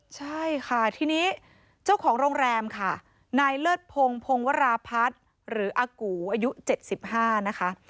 ใช่ค่ะทีนี้เจ้าของโรงแรมค่ะนายเลิศพงพงวราพัฒน์หรืออากูอายุ๗๕นะคะ